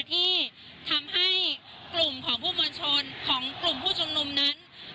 ที่ทำให้กลุ่มของผู้มวลชนของกลุ่มผู้ชุมนุมนั้น